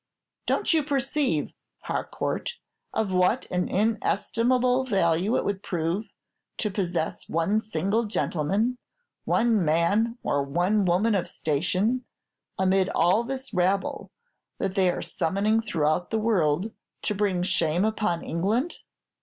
Don't you perceive, Harcourt, of what an inestimable value it would prove, to possess one single gentleman, one man or one woman of station, amid all this rabble that they are summoning throughout the world to bring shame upon England?"